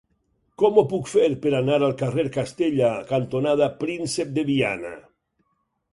Com ho puc fer per anar al carrer Castella cantonada Príncep de Viana?